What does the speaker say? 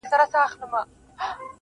د سترگو تور مي د هغې مخته ايږدمه ځمه,